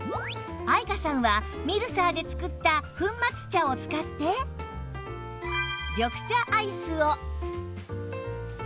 愛華さんはミルサーで作った粉末茶を使って緑茶アイスを